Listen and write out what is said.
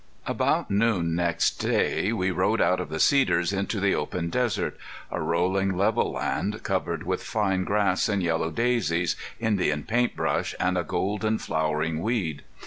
About noon next day we rode out of the cedars into the open desert a rolling, level land covered with fine grass, and yellow daisies, Indian paint brush, and a golden flowering weed.